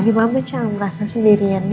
ini mempercayai merasa sendiriannya